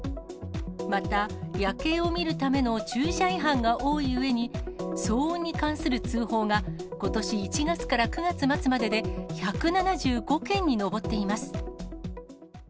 また、夜景を見るための駐車違反が多いうえに、騒音に関する通報が、ことし１月から９月末までで１７５件に上っています。